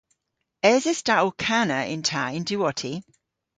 Eses ta ow kana yn ta y'n diwotti?